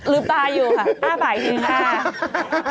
ลืมตาอยู่ค่ะอ้าปากจริงค่ะ